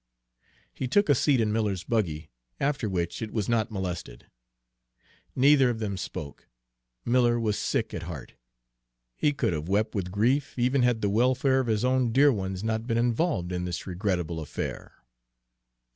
He took a seat in Miller's buggy, after which it was not molested. Neither of them spoke. Miller was sick at heart; he could have wept with grief, even had the welfare of his own dear ones not been involved in this regrettable affair.